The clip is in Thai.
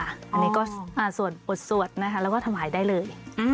อันนี้ก็สวดบทสวดนะคะแล้วก็ถวายได้เลย